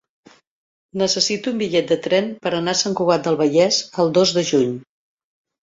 Necessito un bitllet de tren per anar a Sant Cugat del Vallès el dos de juny.